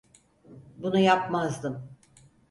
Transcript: Bunu yapmazdım.